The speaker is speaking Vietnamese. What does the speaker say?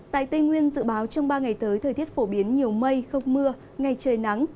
tại tây nguyên dự báo trong ba ngày tới thời tiết phổ biến nhiều mây không mưa ngày trời nắng